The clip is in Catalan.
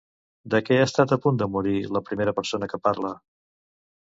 De què ha estat a punt de morir la primera persona que parla?